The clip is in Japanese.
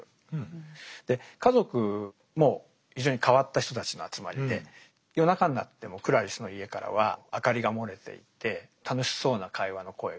で家族も非常に変わった人たちの集まりで夜中になってもクラリスの家からは明かりが漏れていて楽しそうな会話の声が。